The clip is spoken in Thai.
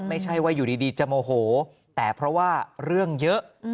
ไม่ใช่ว่าอยู่ดีจะโมโหแต่เพราะว่าเรื่องเยอะ